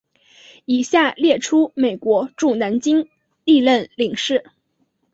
以下列出美国驻南京历任领事。